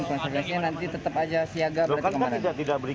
sebenarnya nanti tetap aja siaga berarti kemarin